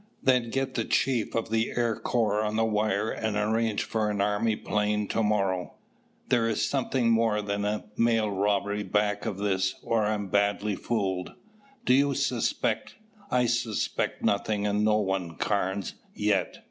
Then get the chief of the Air Corps on the wire and arrange for an army plane to morrow. There is something more than a mail robbery back of this or I'm badly fooled." "Do you suspect " "I suspect nothing and no one, Carnes yet!